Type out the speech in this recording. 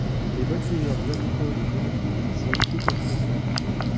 Les voltigeurs Xavier Paul et Derrick Robinson quittent aussi le club.